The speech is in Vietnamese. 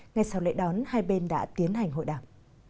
ngay sau lễ đón hai bên đã tiến hành hội đàm